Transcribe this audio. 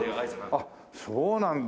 あっそうなんだ。